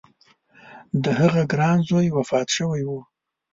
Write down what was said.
د هغه ګران زوی وفات شوی و.